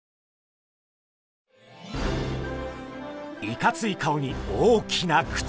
いかつい顔に大きな口！